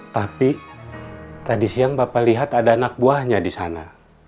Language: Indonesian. tapi tadi siang bapak lihat ada anak buahnya di sana